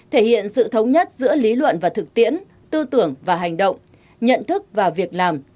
thể hiện sự thống nhất giữa lý luận và thực tiễn tư tưởng và hành động nhận thức và việc làm